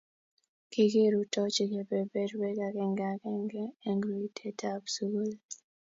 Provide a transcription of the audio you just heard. kikirutochi kebeberwek agenge agenge eng' rutoitab sukul.